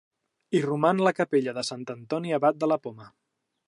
Hi roman la capella de Sant Antoni Abat de la Poma.